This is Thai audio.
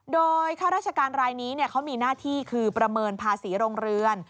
โดยข้าราชการรายนี้เขามีหน้าที่คือประเมินภาษีโรงเรือน